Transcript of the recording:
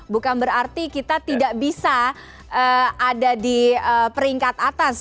bukan berarti kita tidak bisa ada di peringkat atas